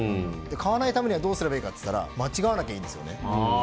買わないためにはどうすればいいかって言ったら間違わなければいいんですよね。